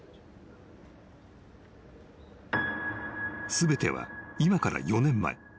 ［全ては今から４年前］